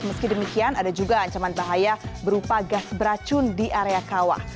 meski demikian ada juga ancaman bahaya berupa gas beracun di area kawah